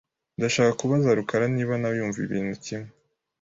Ndashaka kubaza rukara niba nawe yumva ibintu kimwe .